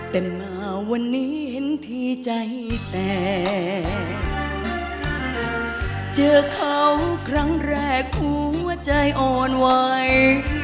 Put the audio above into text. แต่มาวันนี้เห็นพี่ใจแต่เจอเขาครั้งแรกหัวใจอ่อนไหว